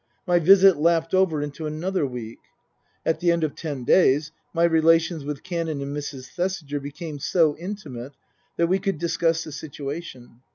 My visit lapped over into another week. At the end of ten days my relations with Canon and Mrs. Thesiger became so intimate that we could discuss the situation.